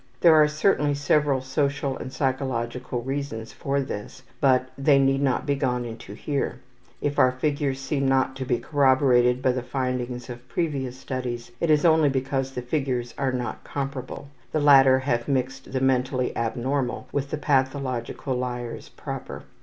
There are certainly several social and psychological reasons for this, but they need not be gone into here. If our figures seem not to be corroborated by the findings of previous students it is only because the figures are not comparable the latter have mixed the mentally abnormal with the pathological liars proper.